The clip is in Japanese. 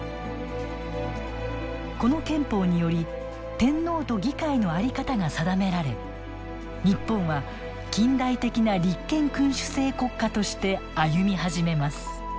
この憲法により天皇と議会の在り方が定められ日本は近代的な立憲君主制国家として歩み始めます。